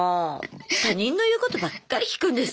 他人の言うことばっかり聞くんですね